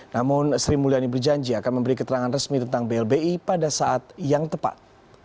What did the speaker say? namun sri mulyani berjanji akan memberi keterangan resmi tentang blbi pada saat yang tepat